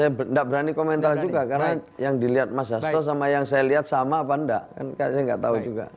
saya tidak berani komentar juga karena yang dilihat mas hasto sama yang saya lihat sama apa enggak kan saya nggak tahu juga